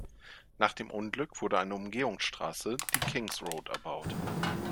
Nach dem Unglück wurde eine Umgehungsstraße, die "King’s Road", erbaut.